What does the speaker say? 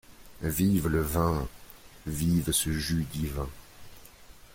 Vive le vin, Vive ce jus divin…